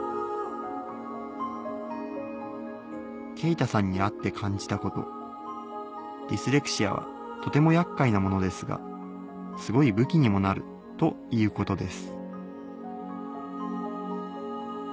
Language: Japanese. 勁太さんに会って感じたことディスレクシアはとても厄介なものですがすごい武器にもなるということです